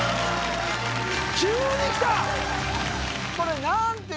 急にきた！